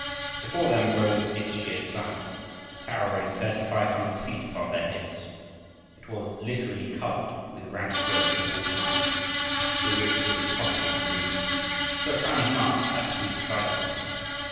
Before them rose its sheer side, towering thirty five hundred feet above their heads. It was literally covered with rank growth of all kinds, through which it was impossible to move. So a plan of march had to be decided upon.